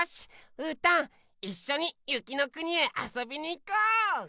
うーたんいっしょにゆきのくにへあそびにいこう！